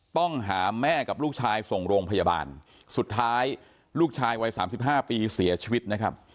ต้องหาแม่กับลูกชายส่งโรงพยาบาลสุดท้ายลูกชายวัย๓๕ปีเสียชีวิตนะครับ